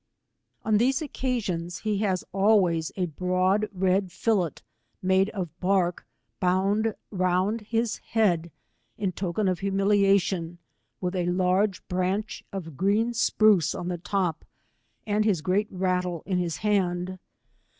On these occasions, he has always a J36 broad red fillet made of bark, bound around his head, in token of humiliation, vvilh a large branch of green gpruce on the top, and his great rattle in his hand.